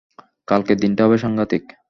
কালকের দিনটা হবে সাংঘাতিক।